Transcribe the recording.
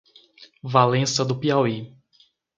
Valença do Piauí